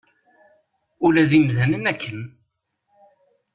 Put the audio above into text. Ula d imdanen akken.